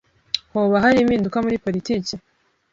Hoba hari impinduka muri politiki?